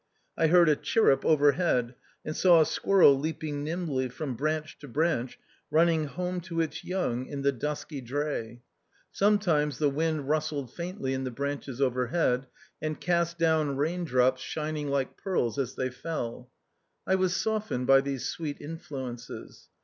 I heard a chirrup overhead, and saw a squir rel leaping nimbly from branch to branch running home to its young in the dusky 76 THE OUTCAST. dray. Sometimes the wind rustled faintly in the branches overhead, and cast down raindrops shining like pearls as they fell. I was softened by these sweet influences.